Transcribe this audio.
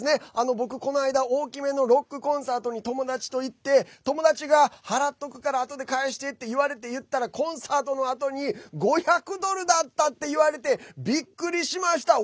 僕、この前大きめのロックコンサートに友達と行って友達が払っとくから、あとで返してって言われて行ったらコンサートのあとに５００ドルだったって言われてびっくりしました。